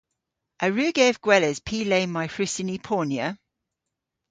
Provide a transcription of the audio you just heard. A wrug ev gweles py le may hwrussyn ni ponya?